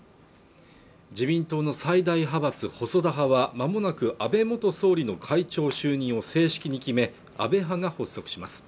自民党の最大派閥細田派はまもなく安倍元総理の会長就任を正式に決め安倍派が発足します